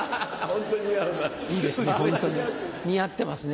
ホントに似合ってますね。